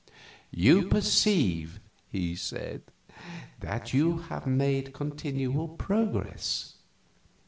"You perceive," he said, "that you have made continual progress.